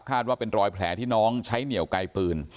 ว่าเป็นรอยแผลที่น้องใช้เหนียวไกลปืน